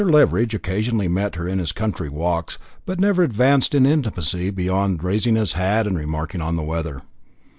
Leveridge occasionally met her in his country walks, but never advanced in intimacy beyond raising his hat and remarking on the weather.